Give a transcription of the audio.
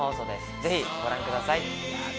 ぜひご覧ください。